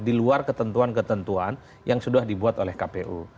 di luar ketentuan ketentuan yang sudah dibuat oleh kpu